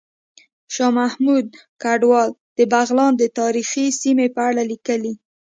شاه محمود کډوال د بغلان د تاریخي سیمې په اړه ليکلي